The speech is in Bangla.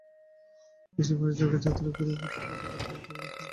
স্টীমারযোগে যাত্রা করিয়া পরদিন প্রাতঃকালে গোরা বাড়ি আসিয়া পৌঁছিল।